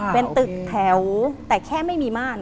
เป็นตึกแถวแต่แค่ไม่มีม่าน